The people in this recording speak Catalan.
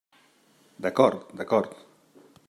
D'acord, d'acord.